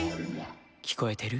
「きこえてる？